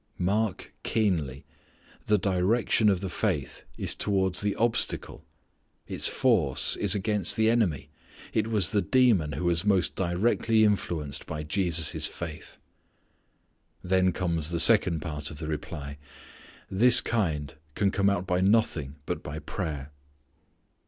'" Mark keenly: the direction of the faith is towards the obstacle. Its force is against the enemy. It was the demon who was most directly influenced by Jesus' faith. Then comes the second part of the reply: "This kind can come out by nothing but by prayer."